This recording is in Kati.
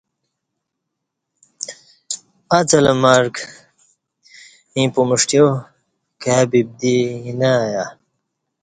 اڅلہ مرگ ییں پمݜٹیا کائی ببدی ییں نہ آیہ